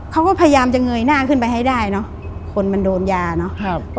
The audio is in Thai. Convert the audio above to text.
เขาก็พยายามจะเงยหน้าขึ้นไปให้ได้เนอะคนมันโดนยาเนอะครับ